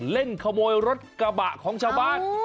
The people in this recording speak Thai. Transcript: เล่นขโมยรถกระบะของชาวบ้าน